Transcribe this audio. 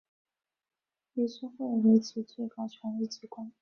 理事会为其最高权力机关。